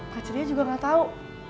kacernya juga gak tau